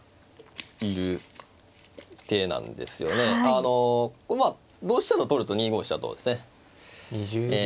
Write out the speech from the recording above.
あの同飛車と取ると２五飛車とですねええ